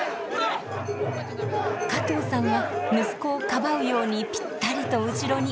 加藤さんは息子をかばうようにぴったりと後ろに。